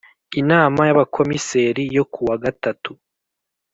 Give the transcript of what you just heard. Inama y Abakomiseri yo kuwa gatatu.